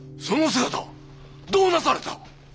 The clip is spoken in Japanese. そのお姿どうなされた？